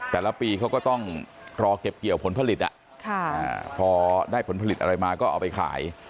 แต่ละปีเขาก็ต้องรอเก็บเกี่ยวผลผลิตพอได้ผลผลิตอะไรมาก็เอาไปขาย